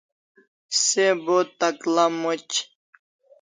Se bo takla moch